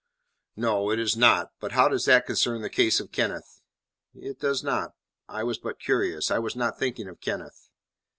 "No, it is not. But how does that concern the case of Kenneth?" "It does not. I was but curious. I was not thinking of Kenneth."